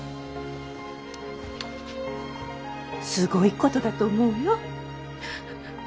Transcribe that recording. すごいことだと思うよ。